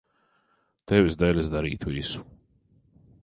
Tevis dēļ es darītu visu.